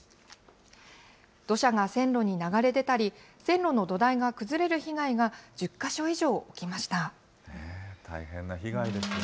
土砂が線路に流れ出たり、線路の土台が崩れる被害が、１０か所以上起きました。